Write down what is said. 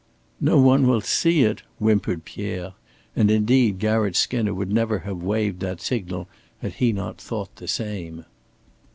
"No one will see it," whimpered Pierre; and indeed Garratt Skinner would never have waved that signal had he not thought the same.